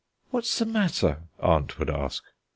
"What's the matter?" aunt would ask.